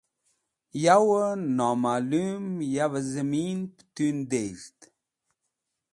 Yawẽ nomalum yavẽ zẽmin pẽtun dezhd.